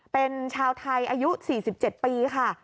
เป็นชาวไทยอายุ๔๗ปีค่ะ